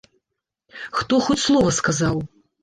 Хто хоць слова сказаў?